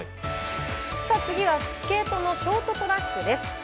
次はスケートのショートトラックです。